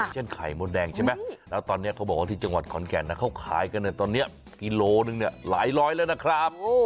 เช่นไข่มดแดงใช่ไหมแล้วตอนนี้เขาบอกว่าที่จังหวัดขอนแก่นเขาขายกันตอนนี้กิโลนึงเนี่ยหลายร้อยแล้วนะครับ